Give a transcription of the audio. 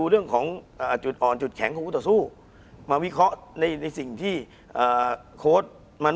คุณผู้ชมบางท่าอาจจะไม่เข้าใจที่พิเตียร์สาร